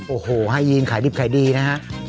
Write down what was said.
โอ้โหให้ยีนขายดิบขายดีนะฮะ